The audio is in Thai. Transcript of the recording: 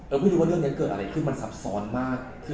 เอิร์กไม่รู้ว่าเรื่องนี้เกิดอะไรคือมันซับซ้อนมาก